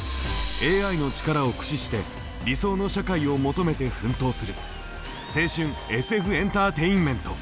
ＡＩの力を駆使して理想の社会を求めて奮闘する青春ＳＦエンターテインメント！